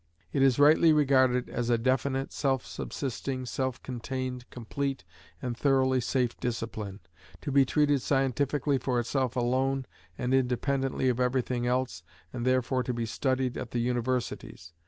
It is rightly regarded as a definite, self subsisting, self contained, complete, and thoroughly safe discipline; to be treated scientifically for itself alone and independently of everything else, and therefore to be studied at the universities.